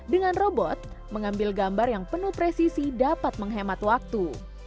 dengan robot mengambil gambar yang penuh presisi dapat menghemat waktu